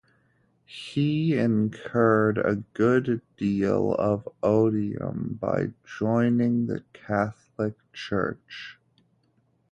He incurred a good deal of odium by joining the Catholic Church.